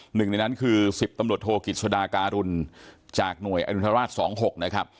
หนึ่งในนั้นคือ๑๐ตำรวจโทกิจสดาการุณจากหน่วยอนุราช๒๖นะครับ